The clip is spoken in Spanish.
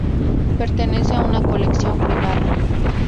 Pertenece a una colección privada.